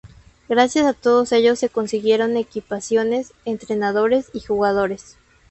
Gracias a todos ellos se consiguieron equipaciones, entrenadores y jugadores.